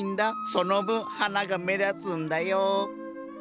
その分花が目立つんだよ。